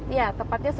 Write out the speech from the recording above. ya tepatnya sudirman